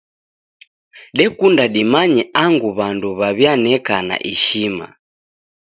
Dekunda dimanye angu w'andu w'aw'ianekana ishima.